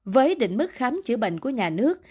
với định mức khám chữa bệnh của nhà nước